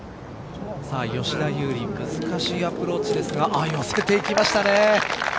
吉田優利難しいアプローチですが寄せていきましたね。